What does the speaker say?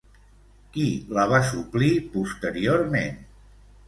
Qui la va suplir posteriorment?